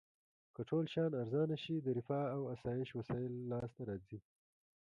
که ټول شیان ارزانه شي د رفاه او اسایش وسایل لاس ته راځي.